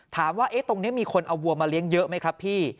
ถามว่าตรงนี้มีคนเอาวัวมาเลี้ยงเยอะไหมครับพี่